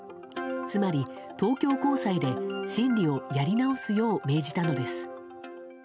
つまり、東京高裁で審理をやり直すよう命じたのです。